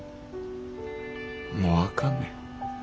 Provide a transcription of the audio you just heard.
もうあかんねん。